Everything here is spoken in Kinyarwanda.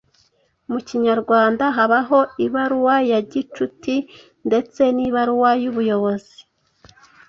Mu Kinyarwanda habaho ibaruwa ya gicuti ndetse n’ibaruwa y’ubuyobozi.